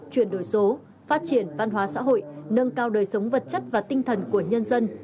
chuyển đổi số phát triển văn hóa xã hội nâng cao đời sống vật chất và tinh thần của nhân dân